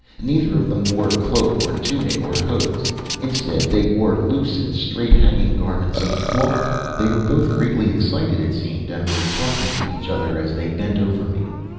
Neither of them wore cloak or tunic or hose. Instead they wore loose and straight hanging garments of cloth. "They were both greatly excited, it seemed, and were talking to each other as they bent over me.